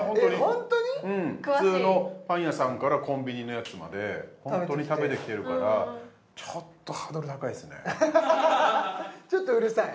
本当にうん普通のパン屋さんからコンビニのやつまで本当に食べてきてるからちょっとうるさい？